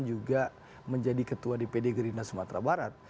juga menjadi ketua di pd gerindra sumatera barat